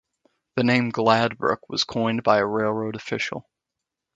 The name Gladbrook was coined by a railroad official.